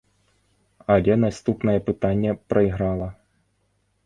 Але наступнае пытанне прайграла.